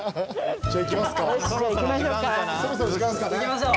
じゃあ行きますか。